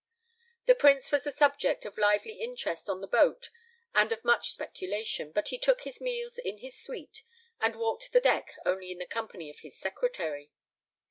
"The Prince was the subject of lively interest on the boat and of much speculation, but he took his meals in his suite and walked the deck only in the company of his secretary.